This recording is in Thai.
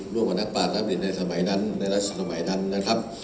ร่วมกับนักปลารักษณ์ในสมัยนั้นในรัฐสมัยนั้นนะครับ